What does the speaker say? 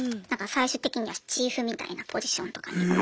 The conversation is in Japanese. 最終的にはチーフみたいなポジションとかに。